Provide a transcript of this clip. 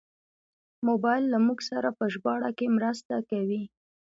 موبایل له موږ سره په ژباړه کې مرسته کوي.